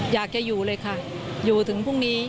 อยากจะอยู่เลยค่ะอยู่ถึงพรุ่งนี้